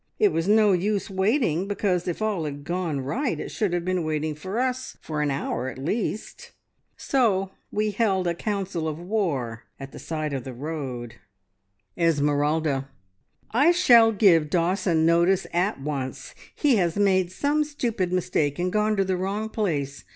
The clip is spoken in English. It was no use waiting, because if all had gone right it should have been waiting for us for an hour at least. So we held a council of war at the side of the road. "Esmeralda. `I shall give Dawson notice At Once! He has made some stupid mistake, and gone to the wrong place.